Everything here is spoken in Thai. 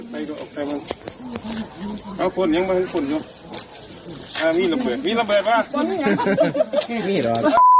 ไม่เคยมิ่งตัวมา